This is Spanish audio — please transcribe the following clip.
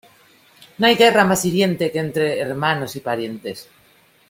No hay guerra más hiriente que entre hermanos y parientes.